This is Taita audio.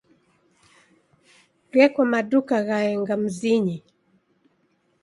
Gheko maduka ghaenga mzinyi.